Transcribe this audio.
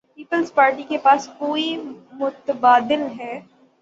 Peoples Party کے پاس کو ئی متبادل ہے؟